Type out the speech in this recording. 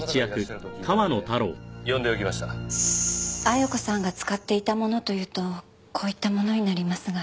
亜矢子さんが使っていたものというとこういったものになりますが。